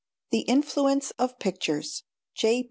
_ THE INFLUENCE OF PICTURES. J.